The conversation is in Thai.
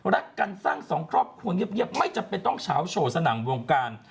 รักกันสร้างสองครอบครัวเงียบไม่จำเป็นต้องเฉาโฉสนั่นวงการ